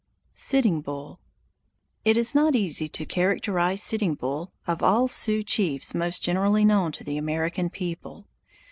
SITTING BULL IT is not easy to characterize Sitting Bull, of all Sioux chiefs most generally known to the American people.